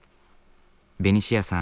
ベニシアさん